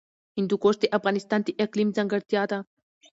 هندوکش د افغانستان د اقلیم ځانګړتیا ده.